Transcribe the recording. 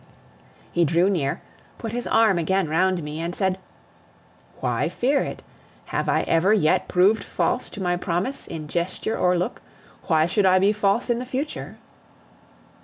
He drew near, put his arm again round me, and said: "Why fear it? Have I ever yet proved false to my promise in gesture or look? Why should I be false in the future?"